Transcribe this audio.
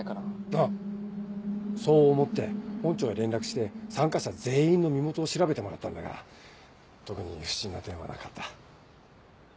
ああそう思って本庁へ連絡して参加者全員の身元を調べてもらったんだが特に不審な点はなかった。